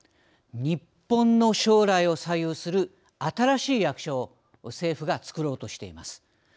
日本の将来を左右する新しい役所を政府が作ろうとしています。